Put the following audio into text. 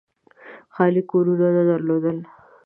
خالي کورنۍ نه درلوده.